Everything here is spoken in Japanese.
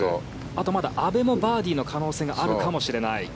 あとまだ阿部もバーディーの可能性があるかもしれない。